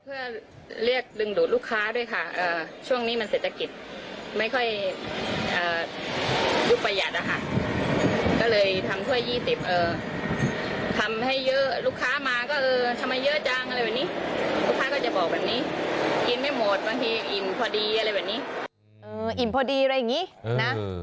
เอออิ่มพอดีอะไรอย่างนี้